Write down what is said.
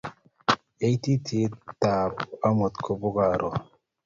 Yaitietab amut kobo karon